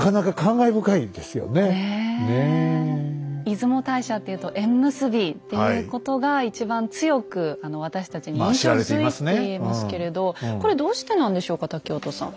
出雲大社っていうと縁結びっていうことが一番強く私たちに印象づいてますけれどこれどうしてなんでしょうか瀧音さん。